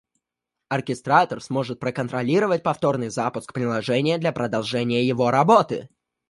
Оркестратор сможет проконтролировать повторный запуск приложения для продолжения его работы